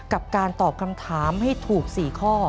กับการตอบคำถามให้ถูก๔ข้อ